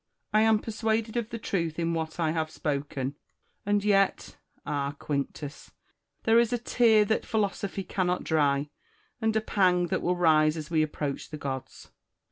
I am persuaded of the truth in what I have 346 IMA GINAR V CONFERS A TIONS. spoken ; and yet — ah, Quinctus ! there is a tear that Philosophy cannot dry, and a pang that will rise as we approach the gods.